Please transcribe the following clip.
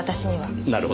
なるほど。